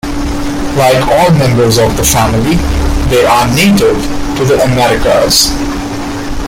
Like all members of the family, they are native to the Americas.